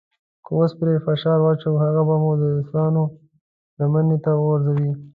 که اوس پرې فشار واچوو هغه به مو د روسانو لمنې ته وغورځوي.